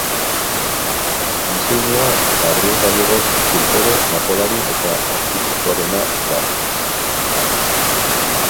Diseinua, Gabriel Gallegos eskultore, margolari eta arkitektoarena da.